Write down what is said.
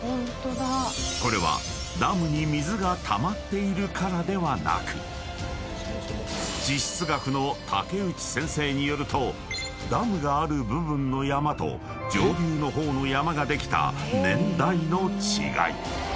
［これはダムに水がたまっているからではなく地質学の竹内先生によるとダムがある部分の山と上流の方の山ができた年代の違い］